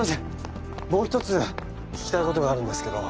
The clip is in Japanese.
もう一つ聞きたいことがあるんですけど。